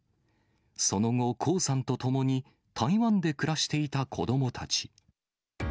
その後、江さんと共に、台湾で暮らしていた子どもたち。